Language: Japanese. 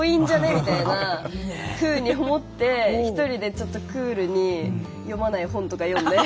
みたいに思って、一人でクールに読まない本とか読んで。